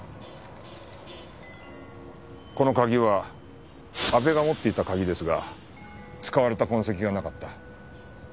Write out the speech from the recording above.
この鍵は阿部が持っていた鍵ですが使われた痕跡がなかった。